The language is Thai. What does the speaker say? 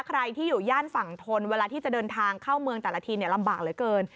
ใครที่อยู่ย่านฝั่งทนเวลาที่จะเดินทางเข้าเมืองแต่ละทีลำบากเหลือเกิน